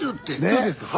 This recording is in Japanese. そうです。